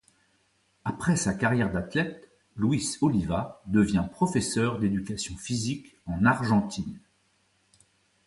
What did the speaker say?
Après sa carrière d'athlète, Luis Oliva devient professeur d'éducation physique en Argentine.